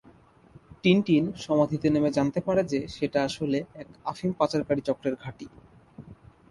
Tintin সমাধিতে নেমে জানতে পারে যে সেটা আসলে এক আফিম পাচারকারী চক্রের ঘাঁটি।